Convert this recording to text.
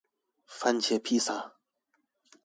番茄披薩